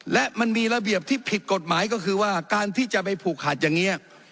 และมันมีระเบียบที่ผิดกฎหมายก็คือว่าการที่จะไปผูกขัดอย่างนี้